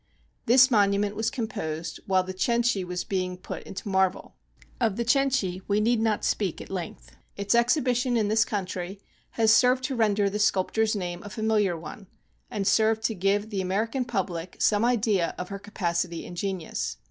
This monument was composed while the "Cenci" was being put into marble. Of the " Cenci" we need not speak at length. Its exhibition in this country has served to render the sculptor's name a familiar one, and served to give the Amer ican public some idea of her capacity and genius.